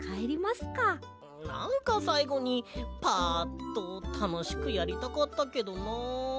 なんかさいごにパアッとたのしくやりたかったけどな。